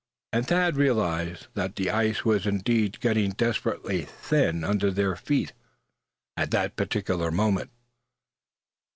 And Thad realized that the ice was indeed getting desperately thin under their feet at that particular moment.